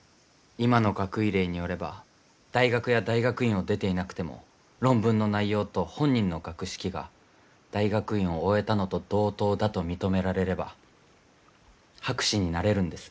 今の学位令によれば大学や大学院を出ていなくても論文の内容と本人の学識が大学院を終えたのと同等だと認められれば博士になれるんです。